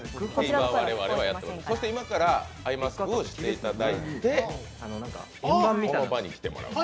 今からアイマスクをしていただいて、この場に来ていただくと。